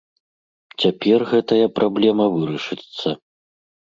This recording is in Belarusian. Цяпер гэтая праблема вырашыцца.